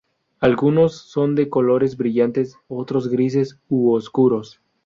Algunos son de colores brillantes, otros grises u oscuros.